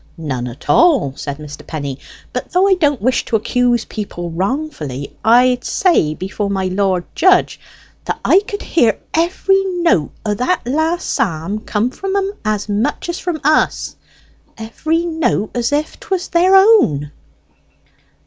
"None at all," said Mr. Penny. "But though I don't wish to accuse people wrongfully, I'd say before my lord judge that I could hear every note o' that last psalm come from 'em as much as from us every note as if 'twas their own."